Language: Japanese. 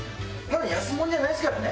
安物じゃないですからね。